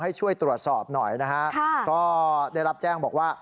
ให้ช่วยตรวจสอบหน่อยนะฮะก็ได้รับแจ้งบอกว่า